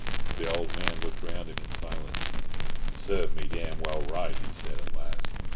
The old man looked round him in silence. "Serve me damn well right," he said at last.